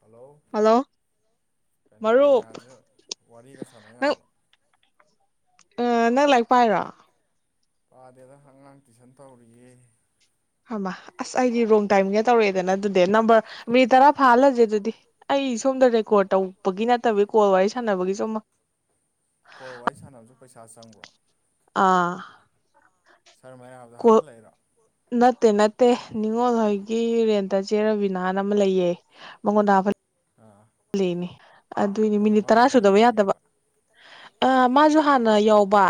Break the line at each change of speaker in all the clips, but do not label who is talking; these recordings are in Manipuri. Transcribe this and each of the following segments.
ꯍꯜꯂꯣ
ꯍꯜꯂꯣ
ꯀꯩꯅꯣ
ꯃꯔꯨꯞ
ꯀꯔꯤꯌꯥꯁꯦ ꯋꯥꯔꯤꯒ ꯁꯥꯟꯅ
ꯅꯪ
ꯌꯥꯕ꯭ꯔꯣ
ꯑ ꯅꯪ ꯂꯥꯏꯔꯤꯛ ꯄꯥꯏꯔꯣ
ꯄꯥꯗꯦꯗ ꯑꯉꯥꯡ ꯇꯨꯏꯁꯟ ꯇꯧꯔꯤꯌꯦ
ꯍꯃꯥ ꯑꯁ ꯑꯩꯗꯤ ꯔꯣꯡ ꯇꯥꯏꯝꯗ ꯇꯧꯔꯛꯑꯦꯗꯅ ꯑꯗꯨꯗꯤ ꯅꯝꯕꯔ ꯃꯤꯠ ꯇꯔꯥ ꯐꯥꯍꯜꯂꯁꯦ ꯗꯨꯗꯤ ꯑꯩ ꯁꯣꯝꯗ ꯔꯦꯀꯣꯔꯠ ꯇꯧꯕꯒꯤ ꯅꯠꯇꯕꯤ ꯀꯣꯜ ꯋꯥꯔꯤ ꯁꯥꯟꯅꯕꯒꯤꯁꯨ ꯑꯃꯥ
ꯀꯣꯜ ꯋꯥꯔꯤ ꯁꯥꯟꯅꯕꯁꯨ ꯄꯩꯁꯥ ꯆꯪꯕ꯭ꯔꯣ
ꯑꯥ
ꯁꯥꯔ ꯃꯌꯥꯝꯗ
ꯀꯣꯜ
ꯍꯥꯞꯐꯜꯂꯛꯏꯔꯣ
ꯅꯠꯇꯦ ꯅꯠꯇꯦ ꯅꯤꯉꯣꯜ ꯍꯣꯏꯒꯤ ꯔꯦꯟꯇ ꯆꯦ ꯔꯕꯤꯅꯥꯅ ꯑꯃ ꯂꯩꯌꯦ ꯃꯉꯣꯟꯗ ꯍꯥꯐꯜ
ꯑꯥ
ꯂꯤꯅꯤ ꯑꯗꯨꯏꯅꯦ
ꯀꯩꯅꯣ
ꯃꯤꯅꯤꯠ ꯇꯔꯥ
ꯃꯥꯅ ꯀꯔꯤ
ꯁꯨꯗꯕ ꯌꯥꯗꯕ
ꯑꯣꯏꯒꯦꯕ
ꯑ ꯃꯥꯁꯨ ꯍꯥꯟꯅ ꯌꯥꯎꯕ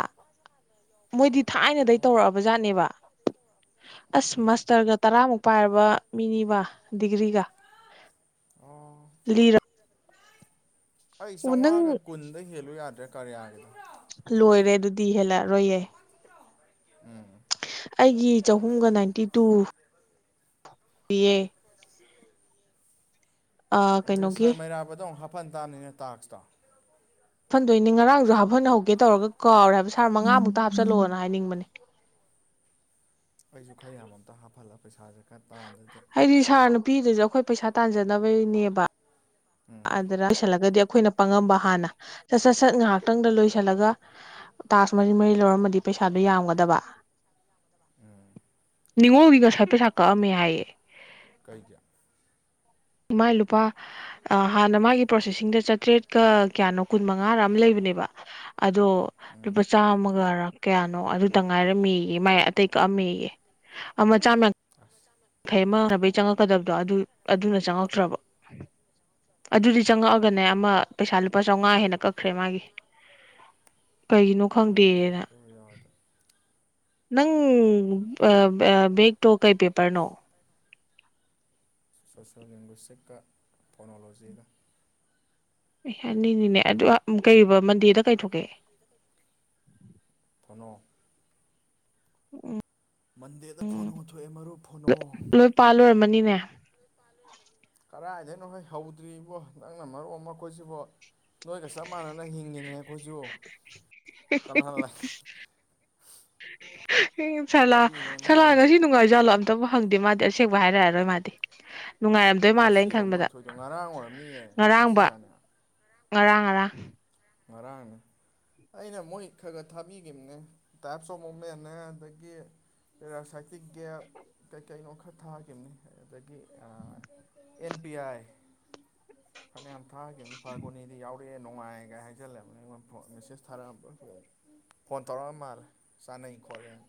ꯃꯣꯏꯗꯤ ꯊꯥꯏꯅꯗꯒꯤ
ꯑꯣ
ꯇꯧꯔꯛꯑꯕ ꯖꯥꯠꯅꯦꯕ ꯑꯁ
ꯎꯝ
ꯃꯥꯁꯇꯔꯒ ꯇꯔꯥꯃꯨꯛ ꯄꯥꯏꯔꯕ ꯃꯤꯅꯤꯕ ꯗꯤꯒ꯭ꯔꯤꯒ
ꯑꯣ
ꯂꯤꯔꯣ
ꯑꯩ
ꯅꯪ
ꯆꯥꯎꯉꯥꯒ ꯀꯨꯟꯗ ꯍꯦꯜꯂꯨ ꯌꯥꯗ꯭ꯔꯦ ꯀꯔꯤꯌꯥꯒꯤꯗꯣ
ꯂꯣꯏꯔꯦ ꯑꯗꯨꯗꯤ ꯍꯦꯜꯂꯛꯑꯔꯣꯏꯌꯦ
ꯎꯝ
ꯑꯩꯒꯤ ꯆꯍꯨꯝꯒ ꯅꯥꯏꯟꯇꯤ ꯇꯨ ꯄꯤꯌꯦ
ꯑꯗꯨ ꯁꯥꯔ
ꯀꯩꯅꯣꯒꯤ
ꯃꯩꯔꯥꯕꯗꯣ ꯑꯃꯨꯛ ꯍꯥꯞꯐꯟ ꯇꯥꯝꯅꯤꯅꯦ ꯇꯥꯛꯁꯇꯣ
ꯐꯟꯗꯣꯏꯅꯦ ꯉꯔꯥꯡꯁꯨ ꯍꯥꯞꯐꯟꯍꯧꯒꯦ ꯇꯧꯔꯒ ꯀꯥꯎꯔꯦ ꯍꯥꯏꯕ ꯁꯥꯔ ꯃꯉꯥꯃꯨꯛꯇ ꯍꯥꯞꯆꯜꯂꯣꯅ ꯍꯥꯏꯅꯤꯡꯕꯅꯦ
ꯑꯩꯁꯨ ꯈꯔ ꯌꯥꯝ ꯑꯝꯇ ꯍꯥꯞꯐꯜꯂ ꯄꯩꯁꯥꯥꯁꯦ ꯈꯔ ꯇꯥꯟꯗ꯭ꯔꯗꯤ
ꯑꯩꯗꯤ ꯁꯥꯔꯅ ꯄꯤꯗꯨꯁꯨ ꯑꯩꯈꯣꯏ ꯄꯩꯁꯥ ꯇꯥꯟꯖꯅꯕꯩꯅꯦꯕ
ꯎꯝ
ꯑꯗꯨꯅ ꯂꯣꯏꯁꯤꯜꯂꯒꯗꯤ ꯑꯩꯈꯣꯏꯅ ꯄꯪꯉꯝꯕ ꯍꯥꯟꯅ ꯁꯠ ꯁꯠ ꯁꯠ ꯉꯥꯏꯍꯥꯛꯇꯪꯗ ꯂꯣꯏꯁꯤꯜꯂꯒ ꯇꯥꯛꯁ ꯃꯔꯤ ꯃꯔꯤ ꯂꯧꯔꯝꯃꯗꯤ ꯄꯩꯁꯥꯗꯣ ꯌꯥꯝꯒꯗꯕ
ꯎꯝ
ꯅꯤꯡꯉꯣꯜꯒꯤ ꯉꯁꯥꯏ ꯄꯩꯁꯥ ꯀꯛꯑꯝꯃꯦ ꯍꯥꯏꯌꯦ
ꯀꯩꯒꯤ?
ꯃꯥꯏ ꯂꯨꯄꯥ ꯑꯥ ꯍꯥꯟꯅ ꯃꯥꯒꯤ ꯄ꯭ꯔꯣꯁꯦꯁꯤꯡꯗ ꯆꯥꯇ꯭ꯔꯦꯠꯀ ꯀꯌꯥꯅꯣ ꯀꯨꯟ ꯃꯉꯥꯔ ꯑꯃ ꯂꯩꯕꯅꯦꯕ ꯑꯗꯣ
ꯎꯝ
ꯂꯨꯄꯥ ꯆꯥꯝꯃꯒꯔ ꯀꯌꯥꯅꯣ ꯑꯗꯨꯇꯪ ꯉꯥꯏꯔꯝꯃꯦꯌꯦ ꯃꯥꯏ ꯑꯇꯩ ꯀꯛꯑꯝꯃꯦꯌꯦ ꯑꯃ ꯆꯥꯝꯃ
ꯑꯁ
ꯈꯩ ꯃꯥꯅꯕꯩ ꯆꯪꯉꯛꯀꯗꯕꯗꯣ ꯑꯗꯨ ꯑꯗꯨꯅ ꯆꯪꯉꯛꯇ꯭ꯔꯕ ꯑꯗꯨꯗꯤ ꯆꯪꯉꯛꯑꯒꯅꯦ ꯑꯃ ꯄꯩꯁꯥ ꯂꯨꯄꯥ ꯆꯥꯎꯉꯥ ꯍꯦꯟꯅ ꯀꯛꯈ꯭ꯔꯦ ꯃꯥꯒꯤ ꯀꯩꯒꯤꯅꯣ
ꯈꯪꯗꯦꯗ
ꯈꯪꯗꯦꯅ
ꯑꯗꯨ ꯌꯥꯎꯔꯗꯤ
ꯅꯪ ꯑꯥ ꯑꯥ ꯕꯦꯛꯇꯣ ꯀꯩ ꯄꯦꯄꯔꯅꯣ
ꯁꯣꯁꯦꯜ ꯂꯤꯡꯒ꯭ꯋꯤꯁꯇꯤꯛꯀ ꯐꯣꯅꯣꯂꯣꯖꯤꯒ
ꯑꯦ ꯑꯅꯤꯅꯤꯅꯦ ꯑꯗꯨ ꯀꯩꯕ ꯃꯟꯗꯦꯗ ꯀꯩ ꯊꯣꯛꯀꯦ
[unintelligible] ꯀꯅꯣ
ꯎꯝ
ꯃꯟꯗꯦꯗ ꯐꯣꯅꯣ ꯊꯣꯛꯑꯦ ꯃꯔꯨꯞ ꯐꯣꯅꯣ
ꯄꯥꯂꯣꯏꯔꯝꯃꯅꯤꯅꯦ꯫
ꯀꯔꯥꯏꯗꯩꯅꯣꯍꯦ ꯍꯧꯗ꯭ꯔꯤꯕꯣ ꯅꯪꯅ ꯃꯔꯣꯟ ꯑꯃ ꯑꯈꯣꯏꯁꯤꯕꯣ꯫ ꯅꯣꯏꯒ ꯆꯞ ꯃꯥꯟꯅꯅ ꯍꯤꯡꯉꯤꯅꯦ ꯑꯩꯈꯣꯏꯁꯨ ꯀꯅꯥ ꯂ꯫
ꯁꯥꯂꯥ
ꯀꯔꯤꯅꯣꯅꯦ
ꯁꯥꯂꯥ ꯉꯁꯤ
ꯅꯣꯏꯕꯣ
ꯅꯨꯡꯉꯥꯏꯖꯥꯠꯂꯣ ꯑꯝ ꯑꯝꯇꯕꯨ ꯍꯪꯗꯦ ꯃꯥꯗꯤ ꯑꯁꯦꯡꯕ ꯍꯥꯏꯔꯛꯑꯔꯣꯏ ꯃꯥꯗꯤ ꯅꯨꯡꯉꯥꯏꯔꯝ
ꯉꯁꯤꯔꯣ ꯃꯣꯏ ꯊꯣꯛꯏꯗꯣ ꯉꯔꯥꯡ ꯑꯣꯏꯔꯝꯅꯤꯌꯦ
ꯉꯔꯥꯡꯕ
ꯉꯁꯤꯔꯥꯅꯦ꯫
ꯉꯔꯥꯡ ꯉꯔꯥꯡ
ꯉꯔꯥꯡꯅꯦ ꯑꯩꯅ ꯃꯣꯏ ꯈꯔ ꯈꯔ ꯊꯥꯕꯤꯈꯤꯕꯅꯦ ꯇꯥꯏꯞꯁ ꯑꯣꯐ ꯃꯨꯞꯃꯦꯟꯅꯦ ꯑꯗꯒꯤ ꯄꯦꯔꯁꯥꯏꯇꯤꯛ ꯒꯌꯦꯞ ꯀꯩꯀꯩꯅꯣ ꯈꯔ ꯊꯥꯈꯤꯕꯅꯤ ꯑꯗꯒꯤ ꯑꯦꯟ ꯄꯤ ꯑꯥꯏ
[unintelligible]
ꯐꯅꯌꯥꯝ ꯊꯥꯈꯤꯕ ꯐꯒꯣꯅꯤꯗꯤ ꯌꯥꯎꯔꯛꯑꯦ ꯅꯨꯡꯉꯥꯏꯒ ꯍꯥꯏ ꯆꯖꯂꯦ ꯑꯩꯉꯣꯟꯗ ꯐꯣꯟ ꯃꯦꯁꯦꯖ ꯊꯔꯛꯑꯝꯕ꯭ꯔ ꯀꯩꯅꯣ ꯐꯣꯟ ꯇꯧꯔꯛꯑꯝ ꯃꯥꯜꯂꯦ ꯆꯥꯅꯩ ꯈꯣꯠꯂꯦꯅ꯫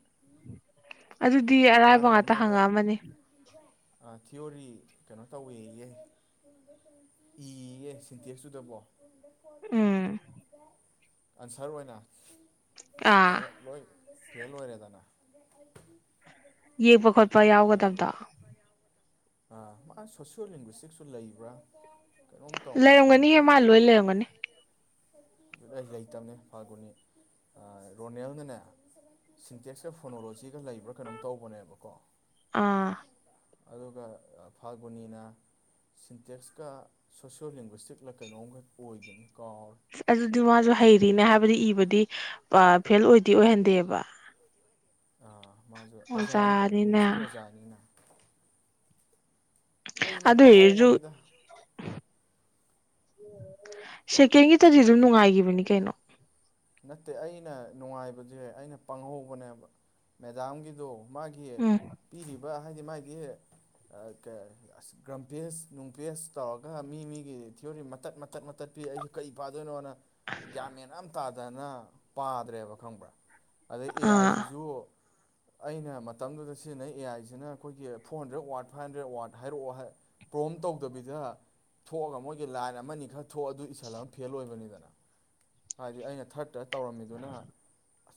ꯑꯗꯨꯗꯤ ꯑꯔꯥꯏꯕ ꯉꯥꯛꯇ ꯍꯪꯉꯛꯑꯝꯃꯅꯤ꯫
ꯊꯤꯌꯣꯔꯤ ꯀꯩꯅꯣ ꯇꯧꯋꯦꯌꯦ꯫ ꯏꯌꯦ ꯁꯤꯟꯇꯦꯛꯁꯇꯨꯗꯕꯣ꯫
ꯎꯝ
ꯑꯟꯁꯔ ꯑꯣꯏꯅ ꯑꯗ
ꯑꯥ
ꯂꯣꯏ ꯐꯦꯜ ꯑꯣꯏꯔꯦꯗꯅ꯫
ꯌꯦꯛꯄ ꯈꯣꯠꯄ ꯌꯥꯎꯒꯗꯞꯗꯣ꯫
ꯑ ꯃꯥ ꯁꯣꯁꯤꯌꯣ ꯂꯤꯡꯒ꯭ꯋꯁꯇꯤꯛꯁꯨ ꯂꯩꯕ꯭ꯔꯥ꯫ ꯀꯩꯅꯣꯝ ꯇꯧꯅ ꯈꯪꯗꯦ
ꯂꯩꯔꯝꯒꯅꯤꯍꯦ ꯃꯥ ꯂꯣꯏ ꯂꯩꯔꯝꯒꯅꯤ
ꯂꯩꯔꯝꯒꯅꯤꯌꯦ ꯃꯥ ꯂꯣꯏ ꯂꯩꯔꯝꯒꯅꯤ ꯑꯩ ꯂꯩꯇꯕꯅꯦ ꯐꯒꯣꯅꯤ ꯑ ꯔꯣꯅꯦꯜꯅꯅꯦ ꯁꯤꯟꯇꯦꯛꯁꯀ ꯐꯣꯅꯣꯂꯣꯖꯤꯒ ꯂꯩꯕ꯭ꯔꯥ ꯀꯩꯅꯣꯝ ꯇꯧꯕꯅꯦꯕꯀꯣ꯫
ꯑꯥ
ꯑꯗꯨꯒ ꯐꯥꯒꯣꯅꯤꯅ ꯁꯤꯟꯇꯦꯛꯁꯀ ꯁꯣꯁꯤꯌꯣ ꯂꯡꯒ꯭ꯋꯁꯇꯤꯛꯂ ꯀꯩꯅꯣꯝꯒ ꯑꯣꯏꯒꯤꯅꯦ ꯀꯥꯎꯔꯦ꯫
ꯑꯗꯨꯗꯨ ꯃꯥꯁꯨ ꯍꯩꯔꯤꯅꯦ ꯍꯥꯏꯕꯗꯤ ꯏꯕꯗꯤ ꯐꯦꯜ ꯑꯣꯏꯗꯤ ꯑꯣꯏꯍꯟꯗꯦꯕ꯫
ꯑ ꯃꯥꯁꯨ ꯑꯣꯖꯥꯅꯤ ꯀꯩꯅꯣ ꯏꯪꯂꯤꯁꯀꯤ
ꯑꯣꯖꯥꯅꯤꯅ
ꯑꯣꯖꯥꯅꯤꯅ꯫ ꯑꯩꯅ
ꯑꯗꯨ ꯏꯔꯖꯨ
ꯄꯪꯍꯧꯕꯅꯤꯗ
ꯁꯦꯀꯦꯟꯒꯤꯇꯗꯤ ꯑꯗꯨꯝ ꯅꯨꯡꯉꯥꯏꯒꯤꯕꯅꯤ ꯀꯩꯅꯣ꯫
ꯅꯠꯇꯦ ꯑꯩꯅ ꯅꯨꯡꯉꯥꯏꯕꯖꯦ ꯑꯩꯅ ꯄꯪꯍꯧꯕꯅꯦꯕ ꯃꯦꯗꯥꯝꯒꯤꯗꯣ ꯃꯥꯒꯤ
ꯎꯝ
ꯄꯤꯔꯤꯕ ꯍꯥꯏꯗꯤ ꯃꯥꯏꯗꯤ ꯑꯁ ꯒ꯭ꯔꯝꯄꯦꯁ ꯅꯨꯡꯄꯦꯖ ꯇꯧꯔꯒ ꯃꯤ ꯃꯤꯒꯤ ꯊꯤꯑꯣꯔꯤ ꯃꯇꯠ ꯃꯇꯠ ꯃꯇꯠ ꯄꯤ ꯑꯩꯁꯨ ꯀꯩ ꯄꯥꯗꯣꯏꯅꯣꯅ ꯒ꯭ꯌꯥꯟ ꯃꯦꯟ ꯑꯝ ꯇꯥꯗꯅ ꯄꯥꯗ꯭ꯔꯦꯕ ꯈꯪꯕ꯭ꯔꯥ ꯑꯗꯩ ꯑꯦ ꯑꯥꯏ
ꯑꯥ
ꯁꯤꯁꯨ ꯑꯩꯅ ꯃꯇꯝꯗꯨꯗ ꯁꯤꯖꯤꯟꯅꯩ ꯑꯦ ꯑꯥꯏꯁꯤꯅ ꯑꯩꯈꯣꯏꯒꯤ four hundred watt five hundred watt ꯍꯥꯏꯔꯛꯑꯣ ꯍꯥꯏ ꯄ꯭ꯔꯣꯝ ꯇꯧꯗꯕꯤꯗ ꯊꯣꯛꯑꯒ ꯃꯣꯏꯒꯤ ꯂꯥꯏꯟ ꯑꯃꯅꯤ ꯈꯛ ꯊꯣꯛꯑ ꯑꯗꯨ ꯏꯁꯜꯂꯕ ꯐꯦꯜ ꯑꯣꯏꯕꯅꯤꯗꯅ꯫ ꯍꯥꯏꯗꯤ ꯑꯩꯅ ꯊꯔꯠꯇ ꯇꯧꯔꯝꯃꯤꯗꯨꯅ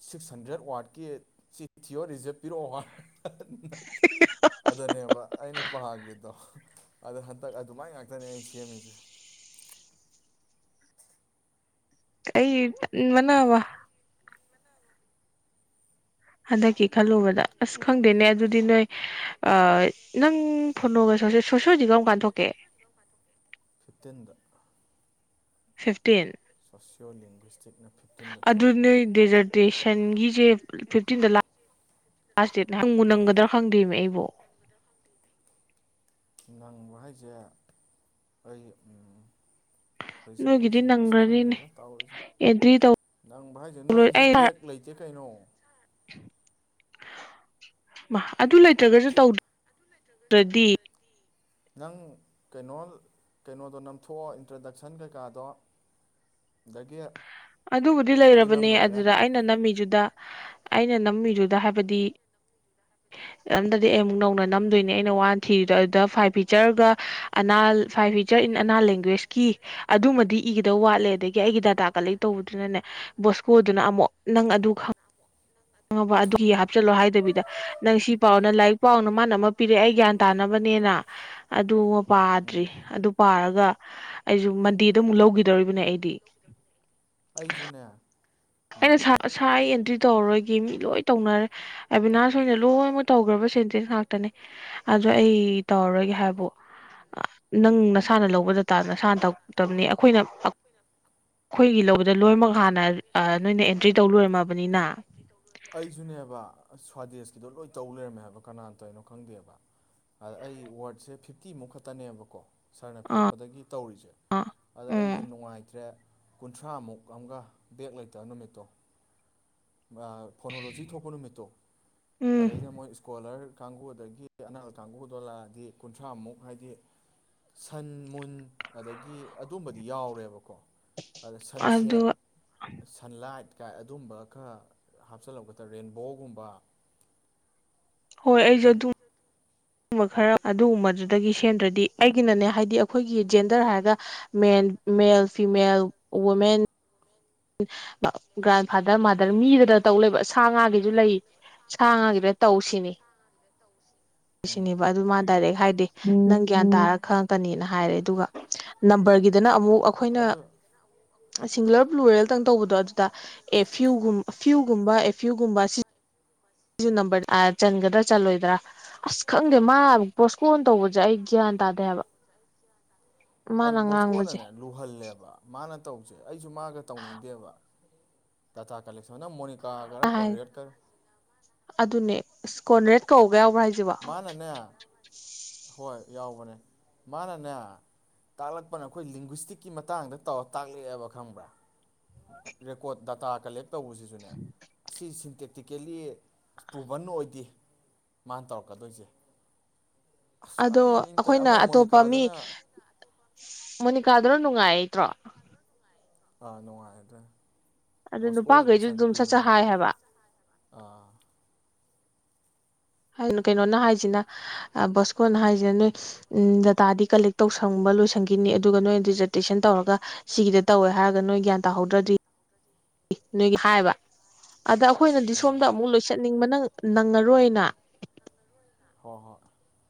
ꯁꯤꯛꯁ ꯍꯟꯗ꯭ꯔꯦꯠ ꯋꯥꯔꯗꯀꯤ ꯊꯤꯌꯣ ꯔꯤꯖꯦ ꯄꯤꯔꯛꯑꯣ ꯑꯗꯨꯅꯦꯕ ꯑꯩꯅ ꯄꯥꯒꯒꯤꯗꯣ ꯑꯗꯣ ꯍꯟꯗꯛ ꯑꯗꯨꯃꯥꯏ ꯉꯥꯛꯇꯅꯦ ꯑꯩ ꯁꯦꯝꯃꯤꯁꯦ꯫
ꯑꯩ ꯇꯟꯕꯅꯕ ꯍꯟꯗꯛꯀꯤ ꯈꯜꯂꯨꯕꯗ ꯑꯁ ꯈꯪꯗꯦꯅꯦ ꯑꯗꯨꯗꯤ ꯅꯣꯏ ꯑ ꯅꯪ ꯐꯨꯅꯣꯒ ꯁꯣꯁꯣꯏꯖꯤꯛꯒꯨꯛ ꯀꯔꯥꯝ ꯀꯥꯟ ꯊꯣꯛꯀꯦ
ꯐꯤꯞꯇꯤꯟꯗ
ꯐꯤꯐꯇꯤꯟ
ꯁꯣꯁꯤꯌꯣ ꯂꯤꯡꯒꯋꯤꯁꯇꯤꯛꯅ ꯐꯤꯞꯇꯤꯟꯗ ꯊꯣꯛꯑꯦ
ꯗꯦꯖꯔꯠ ꯇꯦꯁꯟꯒꯤꯁꯦ ꯐꯤꯞꯇꯤꯟꯗ ꯂꯥꯁ ꯂꯥꯁ ꯗꯦꯠ ꯅꯪꯕꯨ ꯅꯪꯒꯗ꯭ꯔꯥ ꯈꯪꯗꯣꯏꯅꯦ ꯑꯩꯕꯣ
ꯅꯪꯕ ꯍꯥꯏꯁꯦ ꯑꯩ ꯎꯝ ꯍꯧꯖꯤꯛꯁꯦ
ꯅꯣꯏꯒꯤꯗꯤ
ꯑꯩꯈꯣꯏꯁꯦ ꯑꯁ
ꯅꯪꯈ꯭ꯔꯅꯤꯅꯦ
ꯈꯪꯗꯦꯗ ꯇꯥꯎꯔꯤꯁꯦ
ꯑꯦꯟꯇ꯭ꯔꯤ ꯇꯧ
ꯅꯪꯕ ꯍꯥꯏꯁꯦ ꯅꯪ
ꯂꯣꯏ ꯑꯩ
ꯕꯦꯠ ꯂꯩꯇꯦ ꯀꯩꯅꯣ
ꯑꯗꯨ ꯂꯩꯇ꯭ꯔꯒꯁꯨ ꯇꯧꯗ꯭ꯔꯗꯤ
ꯅꯪ ꯀꯩꯅꯣ ꯀꯩꯅꯣꯗꯣ ꯅꯝꯊꯣꯛꯑꯣ ꯏꯟꯇ꯭ꯔꯗꯛꯁꯟ ꯀꯩꯀꯥꯗꯣ ꯑꯗꯒꯤ
ꯑꯗꯨꯕꯨꯗꯤ
ꯑꯗꯨ ꯅꯝ
ꯂꯩꯔꯕꯅꯦ
ꯂꯣꯏꯔꯦ
ꯑꯗꯨꯗ ꯑꯩꯅ ꯑꯩꯅ ꯅꯝꯃꯤꯗꯨꯗ ꯑꯩꯅ ꯅꯝꯃꯤꯗꯨꯗ ꯍꯥꯏꯕꯗꯤ ꯅꯝꯇꯗꯤ ꯑꯩ ꯑꯃꯨꯛ ꯅꯧꯅ ꯅꯝꯗꯣꯏꯅꯦ ꯑꯩꯅ ꯋꯥꯟ ꯊꯤꯔꯤꯗꯣ ꯑꯗꯨꯗ ꯐꯥꯏꯚ ꯐꯤꯆꯔꯒ ꯑꯅꯥ ꯐꯥꯏꯚꯤ ꯆꯔ ꯏꯟ ꯑꯅꯥ ꯂꯦꯡꯒ꯭ꯋꯦꯁꯀꯤ ꯑꯗꯨꯃꯗꯤ ꯏꯗꯧ ꯋꯥꯠꯂꯦ ꯑꯗꯒꯤ ꯑꯩꯒꯤ ꯗꯥꯇꯥ ꯀꯂꯦꯛ ꯇꯧꯕꯗꯨꯅꯅꯦ ꯕꯣꯁꯀꯣꯗꯨꯅ ꯑꯃꯨꯛ ꯅꯪ ꯑꯗꯨ ꯈꯪꯉꯕ ꯑꯗꯨꯒꯤ ꯍꯥꯞꯆꯤꯜꯂꯣ ꯍꯥꯏꯗꯕꯤꯗ ꯅꯪ ꯁꯤ ꯄꯥꯎꯅ ꯂꯥꯏꯔꯤꯛ ꯄꯥꯎꯅ ꯃꯥꯅ ꯑꯃ ꯄꯤꯔꯛꯑꯦ ꯑꯩ ꯒ꯭ꯌꯥꯟ ꯇꯥꯅꯕꯅꯦꯅ ꯑꯗꯨꯕꯨ ꯄꯥꯗ꯭ꯔꯤ
ꯎꯝ
ꯑꯗꯨ ꯄꯥꯔꯒ ꯑꯩꯁꯨ ꯃꯟꯗꯦꯗ ꯑꯃꯨꯛ ꯂꯧꯈꯤꯗꯧꯔꯤꯕꯅꯦ ꯑꯩꯗꯤ
ꯑꯩꯖꯨꯅꯦ
ꯑꯩꯅꯁꯥ ꯌꯦꯟꯗ꯭ꯔꯤ ꯇꯧꯔꯔꯣꯏꯒꯤ ꯃꯤ ꯂꯣꯏ ꯇꯧꯅꯔꯦ ꯑꯕꯤꯅꯥꯁ ꯑꯣꯏꯅ ꯂꯣꯏꯅꯃꯛ ꯇꯧꯈ꯭ꯔꯕ ꯁꯦꯟꯇꯦꯟꯁ ꯉꯥꯛꯇꯅꯦ ꯑꯗ ꯑꯩ ꯇꯧꯔꯔꯣꯢꯒꯦ ꯍꯥꯏꯕꯨ ꯅꯪ ꯅꯁꯥꯅ ꯂꯧꯕ ꯗꯇꯥ ꯅꯁꯥꯅ ꯇꯧꯇꯕꯅꯤ ꯑꯩꯈꯣꯏꯅ ꯑꯩꯈꯣꯏꯒꯤ ꯂꯧꯕꯗ ꯂꯣꯏꯅꯃꯛ ꯍꯥꯟꯅ ꯅꯣꯏꯅ ꯑꯦꯟꯇ꯭ꯔꯤ ꯇꯧ ꯂꯣꯏꯔꯝꯃꯕꯅꯤꯅ
ꯑꯩꯁꯨꯅꯦꯕ ꯁ꯭ꯋꯥꯗꯦꯁꯀꯤꯗꯣ ꯂꯣꯏ ꯇꯧ ꯂꯩꯔꯝꯃꯦ ꯍꯥꯏꯕ ꯀꯅꯥꯅꯇꯧꯔꯤꯅꯣ ꯈꯪꯗꯦꯕ ꯑꯩ ꯋꯥꯔꯣꯠꯁꯦ ꯐꯤꯞꯇꯤꯃꯨꯛ ꯈꯛꯇꯅꯦꯕꯀꯣ ꯁꯥꯔꯅ
ꯑꯥ
ꯄꯤꯔꯛꯄꯗꯒꯤ ꯇꯧꯔꯤꯁꯦ ꯑꯗ ꯑꯩꯁꯨ
ꯎꯝ
ꯅꯨꯡꯉꯥꯏꯇ꯭ꯔꯦ ꯀꯨꯟꯊ꯭ꯔꯥꯃꯨꯛ ꯑꯃꯒ ꯕꯦꯛ ꯂꯩꯇꯕ ꯅꯨꯃꯤꯠꯇꯣ ꯑ ꯐꯣꯅꯣꯂꯣꯖꯤ ꯊꯣꯛꯄ ꯅꯨꯃꯤꯠꯇꯣ
ꯎꯝ
ꯑꯗꯩꯗ ꯃꯣꯏ ꯏꯁ꯭ꯀꯣꯂꯔ ꯀꯥꯡꯕꯨꯗꯒꯤ ꯑꯅꯥꯜ ꯀꯥꯡꯒꯨꯗꯣ ꯂꯥꯛꯑꯗꯤ ꯀꯨꯟꯊ꯭ꯔꯥꯃꯨꯛ ꯍꯥꯏꯗꯤ ꯁꯟ ꯃꯨꯟ ꯑꯗꯒꯤ ꯑꯗꯨꯝꯕꯗꯤ ꯌꯥꯎꯔꯦꯕꯀꯣ ꯑꯗ ꯁꯟꯁꯦꯠ
ꯑꯗꯨꯒ
ꯁꯟꯂꯥꯏꯠ ꯀꯥꯏ ꯑꯗꯨꯝꯕ ꯈꯔ ꯍꯥꯞꯆꯜꯂꯛꯕꯗ ꯔꯦꯟꯕꯣꯒꯨꯝꯕ
ꯍꯣꯏ ꯑꯩꯖꯨ
ꯑꯗꯨꯝꯕ
ꯑꯗꯨ ꯑꯗꯨꯒꯨꯝꯕ ꯈꯔ ꯑꯗꯨꯒꯨꯝꯕꯗꯨꯗꯒꯤ ꯁꯦꯝꯗ꯭ꯔꯗꯤ ꯑꯩꯒꯤꯅꯅꯦ ꯍꯥꯏꯗꯤ ꯑꯩꯈꯣꯏꯒꯤ ꯖꯦꯟꯗꯔ ꯍꯥꯏꯔꯒ men male female women grand father mother ꯃꯤꯗꯅ ꯇꯧ ꯂꯩꯕ ꯁꯥ ꯉꯥꯒꯤꯁꯨ ꯂꯩ ꯁꯥ ꯉꯥꯒꯤꯗ ꯇꯧꯁꯤꯅꯤ
ꯎꯝ
ꯁꯤꯅꯦꯕ ꯑꯗꯨ ꯃꯥ ꯗꯥꯏꯔꯦꯛ ꯍꯥꯏꯗꯤ ꯅꯪ ꯒ꯭ꯌꯥꯟ ꯇꯥꯔ ꯈꯪꯉꯛꯀꯅꯤꯅ ꯍꯥꯏꯔꯦ ꯑꯗꯨꯒ ꯅꯝꯕꯔꯒꯤꯗꯅ ꯑꯃꯨꯛ ꯑꯩꯈꯣꯏꯅ
ꯑꯗꯨ
ꯁꯤꯡꯒꯨꯂꯔ ꯄ꯭ꯂꯨꯔꯦꯜ ꯗꯪ ꯇꯧꯕꯗꯣ ꯑꯗꯨꯗ ꯑꯦ ꯐ꯭ꯤꯌꯨ ꯒꯨꯝ ꯐ꯭ꯤꯌꯨ ꯒꯨꯝꯕ ꯑꯦ ꯐ꯭ꯤꯌꯨ ꯒꯨꯝꯕ ꯁꯤꯖꯤꯟ ꯁꯤꯁꯨ ꯅꯝꯕꯔ ꯆꯟꯒꯗ꯭ꯔꯥ, ꯆꯜꯂꯣꯏꯗ꯭ꯔꯥ? ꯑꯁ ꯈꯪꯗꯦ ꯃꯥ ꯕ꯭ꯔꯣꯠꯁꯀꯣꯟ ꯇꯧꯕꯁꯦ ꯑꯩ ꯒ꯭ꯌꯥꯟ ꯇꯥꯗꯦ ꯍꯥꯏꯕ꯫
ꯑꯗꯨ
ꯃꯥꯅ ꯉꯥꯡꯕꯁꯦ
ꯕꯣꯁꯀꯣꯟꯅꯅꯦ ꯂꯨꯍꯜꯂꯦꯕ ꯃꯥꯅ ꯇꯧꯕꯁꯦ ꯑꯩꯁꯨ ꯃꯥꯒ ꯇꯧꯅꯤꯡꯗꯦꯕ꯫ ꯗꯇꯥꯥ ꯀꯥꯂꯤꯁꯟ ꯅꯪ ꯃꯣꯅꯤꯀꯥꯒꯔ
ꯍꯥꯏ
ꯀꯣꯟꯅꯔꯦꯠ ꯀꯔ
ꯑꯗꯨꯅꯦ ꯀꯣꯟꯅꯔꯦꯠ ꯀꯧꯕꯒ ꯌꯥꯎꯕ꯭ꯔꯥ ꯍꯥꯏꯖꯦ?
ꯃꯥꯅꯅꯦ ꯍꯣꯏ ꯌꯥꯎꯕꯅꯦ ꯃꯥꯅꯅꯦ, ꯇꯥꯛꯂꯛꯄꯅ ꯑꯩꯈꯣꯏ ꯂꯤꯡꯒ꯭ꯤꯁꯇꯤꯛꯀꯤ ꯃꯇꯥꯡꯗ ꯇꯧꯔ ꯇꯥꯛꯂꯛꯑꯦꯕ ꯈꯪꯕ꯭ꯔꯥ꯫ ꯔꯦꯀꯣꯔꯠ ꯗꯇꯥ ꯀꯂꯦꯛ ꯇꯧꯕꯁꯤꯁꯨꯅꯦ ꯑꯁꯤ ꯁꯤꯟꯇꯦꯇꯤꯀꯦꯜꯂꯤ ꯄ꯭ꯔꯨꯚꯟ ꯑꯣꯏꯗꯦ꯫ ꯃꯥꯅ ꯇꯧꯔꯛꯀꯗꯣꯏꯁꯦ ꯑꯁ
ꯑꯗꯣ
ꯀꯔꯤꯅꯣ ꯇꯣꯏ ꯑꯃ
ꯑꯩꯈꯣꯏꯅ ꯑꯇꯣꯞꯄ ꯃꯤ
ꯃꯣꯅꯤꯀꯥꯗꯨꯅ
ꯃꯣꯅꯤꯀꯥꯗꯨꯅ ꯅꯨꯡꯉꯥꯏꯇ꯭ꯔꯣ?
ꯑꯥ ꯅꯨꯡꯉꯥꯏꯌꯦ ꯑꯗꯨꯅ
ꯑꯗꯨ
ꯕꯣꯁꯀꯣꯒꯤ
ꯅꯨꯄꯥꯈꯩꯁꯨ ꯑꯗꯨꯝ ꯁꯠ
ꯃꯆꯥꯅꯨꯄꯤꯅꯤ
ꯁꯠ
ꯍꯥꯏꯗꯣ꯫
ꯍꯥꯏ ꯍꯥꯏꯕ
ꯑꯥ
ꯍꯥꯏ ꯀꯩꯅꯣꯅ ꯍꯥꯏꯁꯤꯅ ꯑꯩ ꯕꯣꯁꯀꯣꯅ ꯍꯥꯏꯁꯤꯅ ꯅꯣꯏ ꯎꯝ ꯗꯇꯥꯗꯤ ꯀꯂꯦꯛ ꯇꯧꯁꯪꯕ ꯂꯣꯏꯁꯟꯈꯤꯅꯤ ꯑꯗꯨꯒ ꯅꯣꯏꯅ ꯗꯤꯖꯔꯇꯦꯁꯟ ꯇꯧꯔꯒ ꯁꯤꯒꯤꯗ ꯇꯧꯋꯦ ꯍꯥꯏꯔꯒ ꯅꯣꯏ ꯒ꯭ꯌꯥꯟ ꯇꯥꯍꯧꯗ꯭ꯔꯗꯤ, ꯅꯣꯏꯒꯤ ꯍꯥꯏꯕ ꯑꯗ ꯑꯩꯈꯣꯏꯅꯗꯤ
ꯑꯥ
ꯁꯣꯝꯗ ꯑꯃꯨꯛ ꯂꯣꯏꯁꯟꯅꯤꯡꯕꯅ ꯅꯪꯉꯔꯣꯏꯅ꯫
ꯍꯣ ꯍꯣꯏ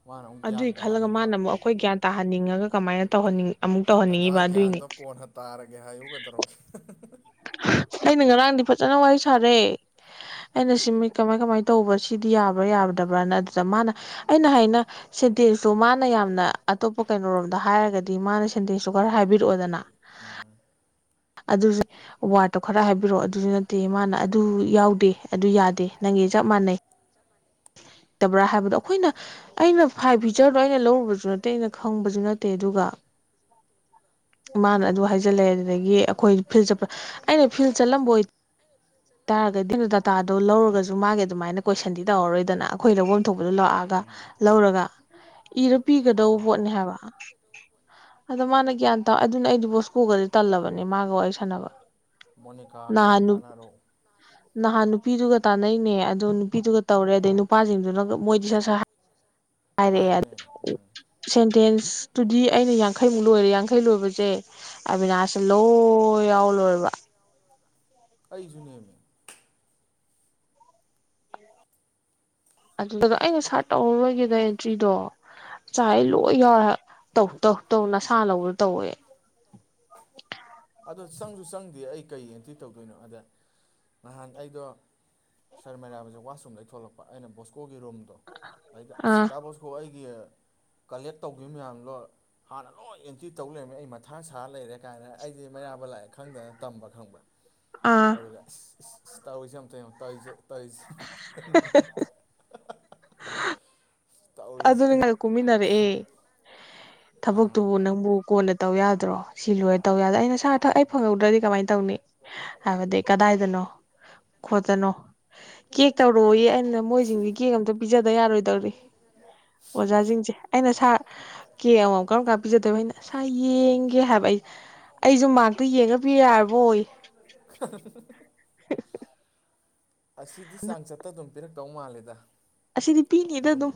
ꯃꯥꯅ ꯑꯃꯨꯛ ꯒ꯭ꯌꯥꯟ
ꯑꯗꯨꯏ ꯈꯜꯂꯒ
ꯇꯥꯍꯟꯅꯤꯡꯕ꯫
ꯃꯥꯅ ꯑꯃꯨꯛ ꯑꯩꯈꯣꯏ ꯒ꯭ꯌꯥꯟ ꯇꯥꯍꯟꯅꯤꯡꯉꯒ ꯀꯃꯥꯏꯅ ꯇꯧꯍꯟꯅꯤꯡ ꯑꯃꯨꯛ
ꯗꯥꯗꯥ
ꯇꯧꯍꯟꯅꯤꯡꯉꯤꯕ ꯑꯗꯨꯏꯅꯤ
ꯒ꯭ꯌꯥꯟꯗꯣ ꯀꯣꯟꯅ ꯇꯥꯔꯒꯦ ꯍꯥꯏꯌꯨ ꯒꯩꯗꯧꯔ꯫
ꯑꯩꯅ ꯉꯔꯥꯡꯗꯤ ꯐꯖꯅ ꯋꯥꯔꯤ ꯁꯥꯔꯦ꯫ ꯑꯩꯅ ꯁꯤꯃꯤ ꯀꯃꯥꯏ ꯀꯃꯥꯏ ꯇꯧꯕ ꯁꯤꯗꯤ ꯌꯥꯕ꯭ꯔꯥ ꯌꯥꯔꯗꯕ꯭ꯔꯅ ꯑꯗꯨꯗ ꯃꯥꯅ ꯑꯩꯅ ꯍꯥꯏꯅ ꯁꯦꯟꯇꯦꯟꯁꯇꯣ ꯃꯥꯅ ꯌꯥꯝꯅ ꯑꯇꯣꯞꯄ ꯀꯩꯅꯣꯔꯣꯝꯗ ꯍꯥꯏꯔꯒꯗꯤ ꯃꯥꯅ ꯁꯦꯟꯇꯦꯟꯁꯇꯨ ꯈꯔ ꯍꯥꯏꯕꯤꯔꯛꯑꯣꯗꯅ꯫
ꯎꯝ
ꯑꯗꯨꯁꯨ, ꯋꯥꯔꯠꯇꯣ ꯈꯔ ꯍꯥꯏꯕꯤꯔꯛꯑꯣ ꯑꯗꯨꯁꯨ ꯅꯠꯇꯦ ꯃꯥꯅ ꯑꯗꯨ ꯌꯥꯎꯗꯦ ꯑꯗꯨ ꯌꯥꯗꯦ ꯅꯪꯒꯤ ꯆꯞ ꯃꯥꯟꯅꯩ꯫ [inaudible] ꯇꯕ꯭ꯔꯥ ꯍꯥꯏꯕꯗꯣ ꯑꯩꯈꯣꯏꯅ ꯑꯩꯅ ꯐꯥꯏꯚ ꯐꯤꯆꯔꯗꯣ ꯑꯩꯅ ꯂꯧꯔꯨꯕꯁꯨ ꯅꯠꯇꯦ ꯑꯩꯅ ꯈꯪꯕꯁꯨ ꯅꯠꯇꯦ ꯑꯗꯨꯒ, ꯃꯥꯅ ꯑꯗꯨ ꯍꯥꯏꯖꯜꯂꯦ ꯑꯗꯨ ꯑꯗꯒꯤ ꯑꯩꯈꯣꯏ ꯐꯤꯜ ꯆꯠꯄ ꯑꯩꯅ ꯐꯤꯜ ꯆꯠꯂꯝꯕ ꯑꯣꯏ ꯇꯥꯔꯒꯗꯤ ꯗꯥꯇꯥꯗꯣ ꯂꯧꯔꯒꯁꯨ ꯃꯥꯒꯤ ꯑꯗꯨꯃꯥꯏꯅ ꯀꯣꯏꯁꯟꯗꯤ ꯇꯧꯔꯔꯣꯏꯗꯅ ꯑꯩꯈꯣꯏ ꯂꯧꯕꯝ ꯊꯣꯄꯗꯨ ꯂꯥꯛꯑꯒ
ꯎꯝ
ꯂꯧꯔꯒ ꯏꯔ
ꯍꯣꯏ
ꯄꯤꯒꯗꯧ
ꯍꯣꯏ
ꯄꯣꯠꯅꯤ ꯍꯥꯏꯕ ꯑꯗꯣ ꯃꯥꯅ ꯒ꯭ꯌꯥꯟ ꯇꯥꯎ ꯑꯗꯨꯅ ꯑꯩꯗꯤ ꯕꯣꯁꯀꯣꯒꯗꯤ ꯇꯜꯂꯕꯅꯦ ꯃꯥꯒ ꯋꯥꯔꯤ ꯁꯥꯟꯅꯕ꯫
ꯃꯣꯅꯤꯀꯥꯒ ꯑꯣꯏꯅ
ꯅꯍꯥꯟ
ꯇꯥꯟꯅꯔꯣ꯫
ꯅꯍꯥꯟ ꯅꯨꯄꯤꯗꯨꯒ ꯇꯥꯟꯅꯩꯅꯦ ꯑꯗꯣ ꯅꯨꯄꯤꯗꯨꯒ ꯇꯧꯔꯦ ꯑꯗꯩ ꯅꯨꯄꯥꯁꯤꯡꯗꯨꯅꯒ ꯃꯣꯏꯗꯤ [unintelligible] ꯍꯥꯏꯔꯛꯑꯦ
ꯍꯥꯏꯕꯅꯦ ꯎꯝ
ꯁꯦꯟꯇꯦꯟꯁꯇꯨꯗꯤ ꯑꯩꯅ ꯌꯥꯡꯈꯩꯃꯨꯛ ꯂꯣꯏꯔꯦ ꯌꯥꯡꯈꯩ ꯂꯣꯏꯕꯁꯦ꯫ ꯑꯕꯤꯅꯥꯁꯁꯨ ꯂꯣꯏ ꯌꯥꯎ ꯂꯣꯏꯔꯕ꯫
ꯑꯩꯁꯨ ꯅꯦꯃꯦ꯫
ꯑꯗꯨꯗ ꯑꯩꯅ ꯁꯥꯔꯠ ꯇꯧꯔꯔꯣꯏꯒꯦꯗ ꯑꯦꯟꯇ꯭ꯔꯤꯗꯣ꯫ ꯆꯥꯏ ꯂꯣꯏ ꯌꯥꯎꯔꯦ ꯍꯥꯏꯕ ꯇꯧ ꯇꯧ ꯇꯧ ꯅꯁꯥ ꯂꯧꯕꯗꯣ ꯇꯧꯑꯣꯋꯦ꯫
ꯑꯗꯣ ꯆꯪꯁꯨ ꯆꯪꯗꯦ ꯑꯩ ꯀꯩ ꯑꯦꯟꯇ꯭ꯔꯤ ꯇꯧꯗꯣꯏꯅꯣ ꯑꯗ ꯅꯍꯥꯟ ꯑꯩꯗꯣ, ꯁꯔ ꯃꯩꯔꯥꯕꯁꯦ ꯋꯥꯁꯔꯨꯝꯗꯩ ꯊꯣꯛꯂꯛꯄ ꯑꯩꯅ ꯕꯣꯁꯀꯣꯒꯤ ꯔꯨꯝꯗꯣ ꯑꯗꯩꯗ ꯑꯁ
ꯑꯥ
ꯗꯥ ꯕꯣꯁ ꯍꯣ ꯑꯩꯒꯤ ꯀꯂꯦꯛ ꯇꯧꯒꯤꯝ ꯃꯌꯥꯝꯗꯣ ꯍꯥꯟꯅ ꯂꯣꯏ ꯑꯦꯟꯇ꯭ꯔꯤ ꯇꯧ ꯂꯩꯔꯝꯃꯦ ꯑꯩ ꯃꯊꯥꯡ ꯁꯥ ꯂꯩꯔꯦ ꯀꯥꯏꯅ ꯑꯩꯗꯤ ꯃꯩꯔꯥꯕ ꯂꯥꯛꯑꯦ ꯈꯪꯗꯗꯅ ꯇꯝꯕ ꯈꯪꯕ꯭ꯔꯥ
ꯑꯥ
ꯑꯗꯨꯒ ꯏꯁ ꯏꯁ ꯏꯁ ꯇꯧꯔꯤꯖꯦ ꯌꯦꯡꯉꯣ ꯑꯝꯇ ꯌꯣꯡ ꯇꯧꯏꯖꯦ ꯇꯧꯏꯁꯦ
ꯑꯗꯨꯅꯤ ꯅ ꯀꯨꯝꯃꯤꯟꯅꯔꯛꯑꯦ
ꯑꯥ
ꯊꯕꯛꯇꯨꯕꯨ ꯅꯪꯕꯨ ꯀꯣꯟꯅ ꯇꯧ ꯌꯥꯗ꯭ꯔꯣ ꯁꯤ ꯂꯣꯏꯔ ꯇꯧꯌꯥꯗ ꯑꯩꯅ ꯁꯥꯥ ꯑꯊꯛ ꯑꯩ ꯐꯪꯍꯧꯗ꯭ꯔꯗꯤ ꯀꯃꯥꯏꯟ ꯇꯧꯅꯤ ꯍꯥꯏꯕꯗꯤ ꯀꯗꯥꯏꯗꯅꯣ ꯈꯣꯠꯇꯅꯣ ꯀꯦꯛ ꯇꯧꯔꯛꯑꯣꯌꯦ ꯑꯩꯅ ꯃꯣꯏꯖꯤꯡꯖꯦ ꯀꯦꯛ ꯑꯝꯇ ꯄꯤꯖꯗ ꯌꯥꯔꯣꯏꯗꯧꯔꯤ ꯑꯣꯖꯥꯖꯤꯡꯖꯦ‌ ꯑꯩꯅ ꯁꯥꯔ ꯀꯦꯛ ꯑꯃꯃꯝ ꯀꯔꯝ ꯀꯥꯟ ꯄꯤꯖꯗꯣꯏꯕ ꯑꯩꯅ ꯑꯁꯥꯢ ꯌꯦꯡꯒꯦ ꯍꯥꯏꯕ ꯑꯩ ꯑꯩꯖꯨ ꯃꯥ꯭ꯔꯛꯇꯨ ꯌꯦꯡꯉꯥ ꯄꯤ ꯌꯥꯔꯕꯣꯌꯦ
[unintelligible]
[unintelligible]
ꯑꯁꯤꯗꯤ ꯆꯥꯡꯆꯠꯇ ꯑꯗꯨꯝ ꯄꯤꯔꯛꯇꯧ ꯃꯥꯜꯂꯤꯗ
ꯑꯁꯤꯗꯤ ꯄꯤꯅꯤꯗ ꯑꯗꯨꯝ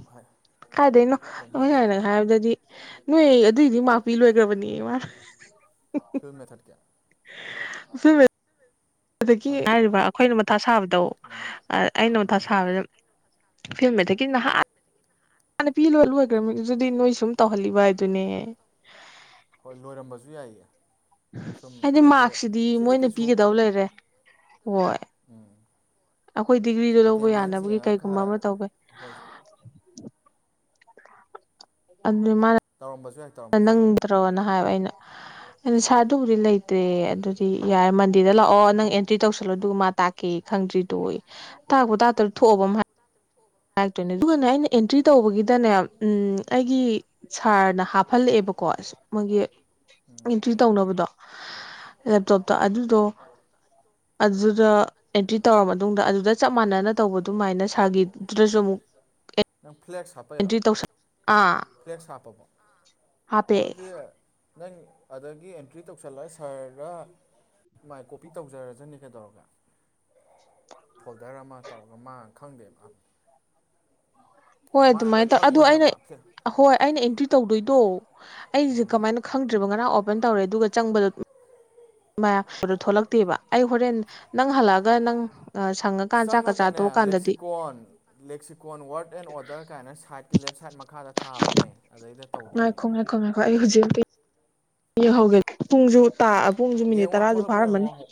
ꯀꯥꯏꯗꯩꯅꯣ
ꯑꯗꯨꯝ
ꯑꯩꯈꯣꯢ
ꯍꯥꯏꯐꯦꯠ
ꯁꯥꯢꯅꯒ ꯍꯥꯏꯕꯗꯗꯤ ꯅꯣꯏ ꯑꯗꯨꯏꯗꯤ ꯃꯥ꯭ꯔꯛ ꯄꯤ ꯂꯣꯏꯒ꯭ꯔꯕꯅꯦꯌꯦ ꯃꯥꯅ
ꯐꯤꯂꯝ ꯃꯦꯊꯠ ꯀꯌꯥ
ꯏꯐꯤꯜ ꯑꯗꯒꯤ ꯍꯥꯏꯔꯤꯕ ꯑꯈꯣꯏꯅ ꯃꯊꯥ ꯁꯥꯕꯗꯣ
ꯎꯝ
ꯑ ꯑꯩꯅ ꯃꯊꯥ
ꯎꯝ
ꯁꯥꯕꯗꯨꯝ ꯐꯤꯂꯝ ꯃꯦꯊꯠꯀꯤꯗꯤ ꯅꯍꯥꯟꯅ ꯄꯤ ꯂꯣꯢ ꯂꯣꯏꯒ꯭ꯔꯕꯅꯤ ꯑꯗꯨꯗꯤ ꯅꯣꯏ ꯁꯨꯝ ꯇꯧꯍꯜꯂꯤꯕ ꯍꯥꯏꯗꯨꯅꯦ
ꯍꯣꯏ ꯂꯣꯏꯔꯝꯕꯖꯨ ꯌꯥꯏꯌꯦ ꯁꯨꯝ
ꯍꯥꯏꯗꯤ ꯃꯥ꯭ꯔꯛꯁꯤꯗꯤ
ꯁꯤꯗꯤ
ꯃꯣꯏꯅ
ꯀꯩꯁꯨ
ꯄꯤꯒꯗꯧ ꯂꯩꯔꯦ ꯍꯣꯏ
ꯎꯝ
ꯑꯩꯈꯣꯏ ꯗꯤꯒ꯭ꯔꯤꯗꯣ ꯂꯧꯕ ꯌꯥꯅꯕꯒꯤ ꯀꯩꯒꯨꯝꯕ ꯑꯃ ꯇꯧꯕꯩ
ꯑꯍꯣꯏꯁꯦ
ꯑꯗꯨꯏ ꯃꯥꯅ
ꯇꯧꯔꯝꯕꯖꯨ ꯌꯥꯏ
ꯑ
ꯇꯧꯔꯝꯕꯁꯨ ꯌꯥꯏ
ꯅꯪꯗ꯭ꯔꯣꯅ ꯍꯥꯏꯕ ꯑꯩꯅ ꯑꯟ ꯁꯥꯔ ꯑꯗꯨꯕꯨꯗꯤ ꯂꯩꯇ꯭ꯔꯦ ꯑꯗꯨꯗꯤ ꯌꯥꯔꯦ ꯃꯟꯗꯦꯗ ꯂꯥꯛꯑꯣ ꯅꯪ ꯑꯦꯟꯇ꯭ꯔꯤ ꯇꯧꯁꯜꯂꯣ ꯑꯗꯨꯒ ꯃꯥ ꯇꯥꯛ ꯀꯦ ꯈꯪꯗ꯭ꯔꯤꯗꯣꯌꯦ ꯇꯥꯛꯄꯨ ꯇꯥꯛꯇꯣꯏꯔ
ꯑꯥ
ꯊꯣꯛꯑꯕ ꯑꯝ ꯍꯥꯢ ꯍꯥꯢꯔꯛꯇꯣꯢꯅꯦ ꯑꯗꯨꯒꯅꯦ ꯑꯩꯅ ꯑꯦꯟꯇ꯭ꯔꯤ ꯇꯧꯕꯒꯤꯗꯅꯦ ꯎꯝ ꯑꯩꯒꯤ ꯁꯥꯔꯅ ꯍꯥꯞꯐꯜꯂꯛꯑꯦꯕꯀꯣ ꯏꯁ ꯃꯣꯏꯒꯤ
ꯎꯝ
ꯑꯦꯟꯇ꯭ꯔꯤ ꯇꯧꯅꯕꯗꯣ ꯂꯦꯞꯇꯣꯞꯇ ꯑꯗꯨꯗꯣ ꯑꯗꯨꯗ ꯑꯦꯟꯇ꯭ꯔꯤ ꯇꯧꯔ ꯃꯇꯨꯡꯗ ꯑꯗꯨꯗ ꯆꯞ ꯃꯥꯟꯅꯅ ꯇꯧꯕ ꯑꯗꯨꯃꯥꯏꯅ ꯁꯥꯔꯒꯤ ꯗꯨꯗꯖꯨ ꯑꯃꯨꯛ
ꯅꯪ ꯐ꯭ꯂꯦꯛꯁ ꯍꯥꯞꯄꯩꯔꯣ
ꯑꯦꯟꯇ꯭ꯔꯤ ꯇꯧꯁꯟ ꯑꯥ
ꯐ꯭ꯂꯦꯛꯁ ꯍꯥꯞꯄꯕꯣ ꯑ
ꯍꯥꯞꯄꯦ
ꯑꯗꯨꯗꯤ ꯅꯪ ꯑꯗꯒꯤ ꯑꯦꯟꯇ꯭ꯔꯤ ꯇꯧꯁꯜꯂ ꯁꯥꯔꯗ ꯃꯥꯏ ꯀꯣꯄꯤ ꯇꯧꯖꯔꯖꯅꯤ ꯀꯩꯗꯧꯔꯒꯦ ꯐꯣꯜꯗꯔ ꯑꯃ ꯇꯧꯔꯒ ꯃꯥ ꯈꯪꯗꯦꯕ
ꯍꯣꯏ
ꯃꯥꯅ ꯂꯣꯏ
ꯑꯗꯨꯃꯥꯏꯟ ꯇꯧ ꯑꯗꯣ ꯑꯩꯅ
ꯈꯪꯕꯅꯦꯕ
ꯑꯍꯣꯏ ꯑꯩꯅ ꯑꯦꯟꯇ꯭ꯔꯤ ꯇꯧꯗꯣꯏꯗꯣ ꯑꯩꯖꯦ
ꯎꯝ
ꯀꯃꯥꯏꯅ ꯈꯪꯗ꯭ꯔꯤꯕ ꯉꯔꯥꯡ ꯑꯣꯄꯟ ꯇꯧꯔꯦ ꯑꯗꯨꯒ ꯆꯪꯕꯗ ꯃꯌꯥꯄꯥꯗꯣ ꯊꯣꯛꯂꯛꯇꯦꯕ ꯑꯩ ꯍꯣꯔꯦꯟ ꯅꯪ ꯍꯜꯂꯛꯑꯒ ꯅꯪ ꯁꯪꯉꯀꯥꯟ ꯆꯥꯛꯀ ꯆꯥ
ꯆꯪꯉꯒꯅꯦ
ꯇꯣꯛꯑꯀꯥꯟꯗꯗꯤ
lexicon lexicon word and order ꯀꯥꯏꯅ ꯁꯥꯏꯠꯀꯤ ꯂꯦꯐ ꯁꯥꯏꯠ ꯃꯈꯥꯗ ꯊꯥꯕꯅꯦ ꯑꯗꯩꯗ ꯇꯧꯗꯣꯏꯅꯦ
ꯉꯥꯢꯈꯣ ꯉꯥꯢꯈꯣ ꯑꯩ ꯍꯧꯖꯤꯛ ꯑꯝꯇꯥ ꯌꯦꯡꯍꯧꯒꯦ ꯄꯨꯡꯖꯨ ꯇꯥ ꯄꯨꯡꯖꯨ ꯃꯤꯅꯤꯠ
ꯌꯦꯡꯉꯣ
ꯇꯔꯥꯖꯨ
ꯊꯣꯛꯂꯛꯄ꯭ꯔꯥ
ꯐꯥꯔꯝꯃꯅꯤ
ꯌꯦꯡꯉꯣ